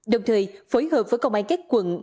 đồng thời phối hợp với công an các quận